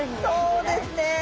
そうですね！